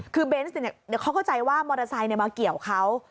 คือเบนส์เดี๋ยวเขาเข้าใจว่ามอเตอร์ไซค์มาเกี่ยวเขา